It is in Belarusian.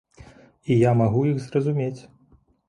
І я магу іх зразумець.